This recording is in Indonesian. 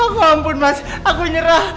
oh ampun mas aku nyerah